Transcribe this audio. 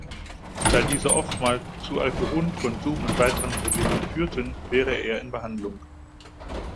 Da diese oftmals zu Alkoholkonsum und weiteren Problemen führten, wäre er in Behandlung.